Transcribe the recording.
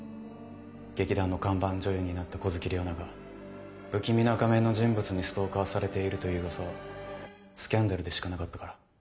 劇団の看板女優になった湖月レオナが不気味な仮面の人物にストーカーされているという噂はスキャンダルでしかなかったから。